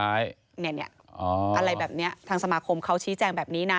อะไรแบบนี้ทางสมาคมเขาชี้แจงแบบนี้นะ